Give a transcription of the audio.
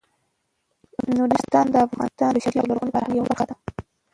نورستان د افغانستان د بشري او لرغوني فرهنګ یوه برخه ده.